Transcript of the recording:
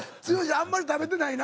あんまり食べてないな。